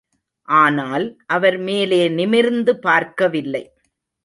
ஆனால், அவர் மேலே நிமிர்ந்து பார்க்கவில்லை.